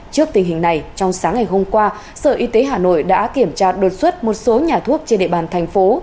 trước tình hình này trong sáng ngày hôm qua sở y tế hà nội đã kiểm tra đột xuất một số nhà thuốc trên địa bàn thành phố